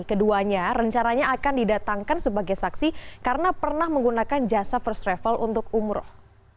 keduanya rencananya akan didatangkan sebagai saksi karena pernah menggunakan jasa first travel untuk umroh